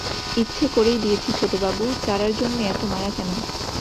ইচ্ছে করেই দিয়েছি ছোটবাবু, চারার জন্যে এত মায়া কেন?